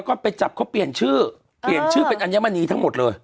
ก็ไปจับเขาเปลี่ยนชื่อเปลี่ยนชื่อเป็นอัญมณีทั้งหมดเลย